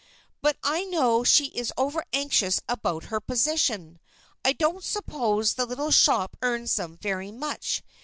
But I know she is over anxious about her position. I don't suppose the little shop earns them very much.